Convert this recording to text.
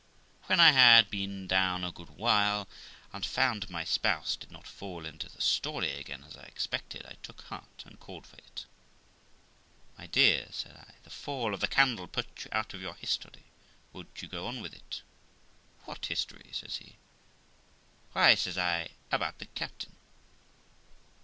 When I had been down a good while, and found my spouse did not fall into the story again, as I expected, I took heart, and called for it. 'My dear', said I, 'the fall of the candle put you out of your history, won't you go on with it?' 'What history?' says he. 'Why', says I, about the captain.'